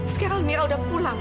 sekarang mira udah pulang